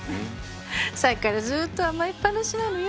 さっきからずっと甘えっぱなしなのよ。